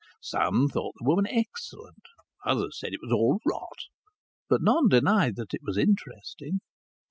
Some thought the woman excellent, others said it was all rot. But none denied that it was interesting.